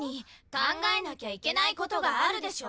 考えなきゃいけない事があるでしょ？